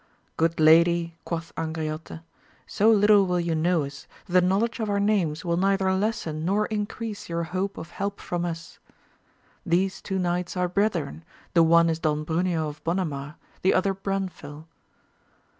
Good lady, quoth Angriote, so little will you know us, that the knowledge of our names will neither lessen nor increase your hope of help from us. These twa knights are brethren, the one is Don Bruneo of Bonamar, the other Branfil.